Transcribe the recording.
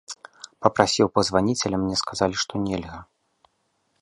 Папрасіў пазваніць, але мне сказалі, што нельга.